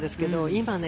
今ね